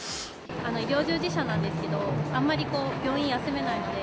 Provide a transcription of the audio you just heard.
医療従事者なんですがあまり病院は休めないので。